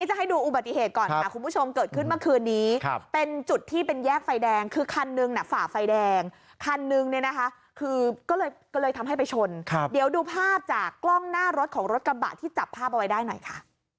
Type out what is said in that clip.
จะให้ดูอุบัติเหตุก่อนค่ะคุณผู้ชมเกิดขึ้นเมื่อคืนนี้เป็นจุดที่เป็นแยกไฟแดงคือคันหนึ่งน่ะฝ่าไฟแดงคันนึงเนี่ยนะคะคือก็เลยทำให้ไปชนเดี๋ยวดูภาพจากกล้องหน้ารถของรถกระบะที่จับภาพเอาไว้ได้หน่อยค่ะ